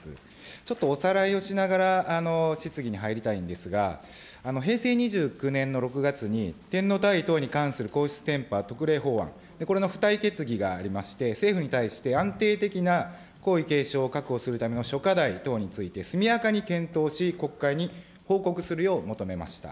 ちょっとおさらいをしながら、質疑に入りたいんですが、平成２９年の６月に、天皇退位等に関する皇室典範特例法案、これの付帯決議がありまして、政府に対して、安定的な皇位継承を確保するための諸課題等について、速やかに検討し、国会に報告するよう求めました。